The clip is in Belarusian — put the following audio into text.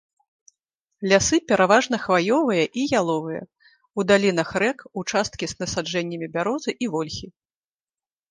Лясы пераважна хваёвыя і яловыя, у далінах рэк участкі з насаджэннямі бярозы і вольхі.